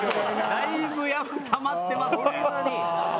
だいぶたまってますね。